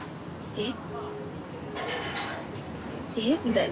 えっ？